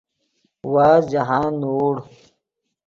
وازد جاہند نوڑ